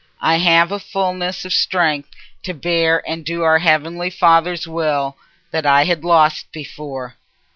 I have a fulness of strength to bear and do our heavenly Father's Will that I had lost before."